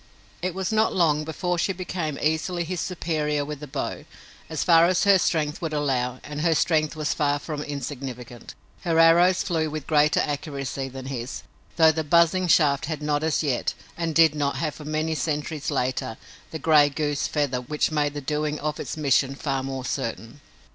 It was not long before she became easily his superior with the bow, so far as her strength would allow, and her strength was far from insignificant. Her arrows flew with greater accuracy than his, though the buzzing shaft had not as yet, and did not have for many centuries later, the "gray goose" feather which made the doing of its mission far more certain.